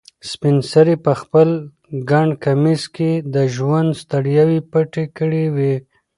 سپین سرې په خپل ګڼ کمیس کې د ژوند ستړیاوې پټې کړې وې.